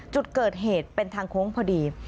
จุดเกิดเหตุเป็นทางโค้งพอดี